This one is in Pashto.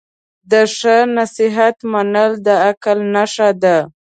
د ښه نصیحت منل د عقل نښه ده.